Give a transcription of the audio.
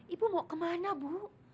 ibu mau kemana bu